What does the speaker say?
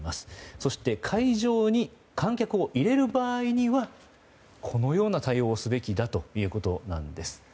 そして、会場に観客を入れる場合にはこのような対応をすべきだということなんです。